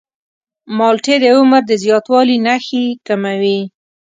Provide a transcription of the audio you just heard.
مالټې د عمر د زیاتوالي نښې کموي.